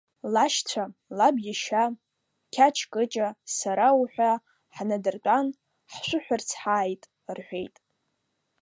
Лашьцәа, лаб иашьа, Қьач Кыҷа, сара уҳәа, ҳнадыртәан, ҳшәыҳәарц ҳааит, рҳәеит.